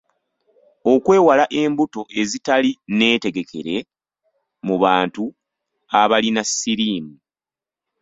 Okwewala embuto ezitali nneetegekere mu bantu abalina siriimu.